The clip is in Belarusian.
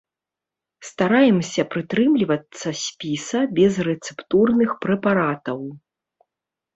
Стараемся прытрымлівацца спіса безрэцэптурных прэпаратаў.